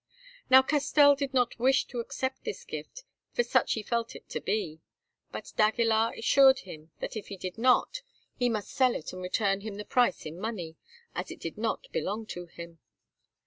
Now, Castell did not wish to accept this gift, for such he felt it to be; but d'Aguilar assured him that if he did not he must sell it and return him the price in money, as it did not belong to him.